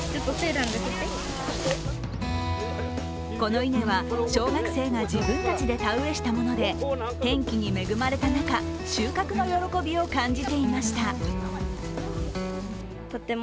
この稲は、小学生が自分たちで田植えしたもので天気に恵まれた中、収穫の喜びを感じていました。